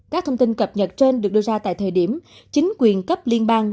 các thông tin cập nhật trên được đưa ra tại thời điểm chính quyền cấp liên bang